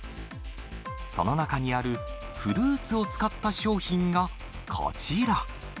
その中にあるフルーツを使った商品がこちら。